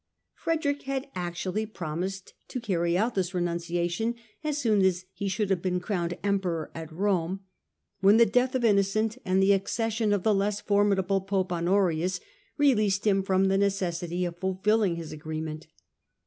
Frederick had actually pro mised to carry out this renunciation as soon as he should have been crowned Emperor at Rome, when the death of Innocent and the accession of the less formidable Pope Honorius released him from the necessity of ful filling his agreement.